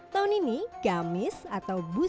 tahun ini gamis atau busana mulai